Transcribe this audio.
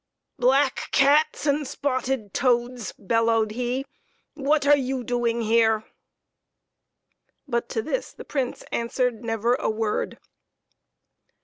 " Black cats and spotted toads !" bellowed he, " what are you doing here ?" But to this the Prince answered never a word.